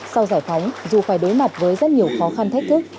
sau giải phóng dù phải đối mặt với rất nhiều khó khăn thách thức